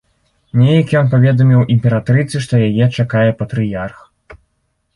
Неяк ён паведаміў імператрыцы, што яе чакае патрыярх.